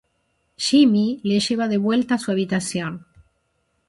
Jimmy le lleva de vuelta a su habitación.